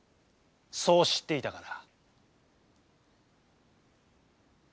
そう知っていたから。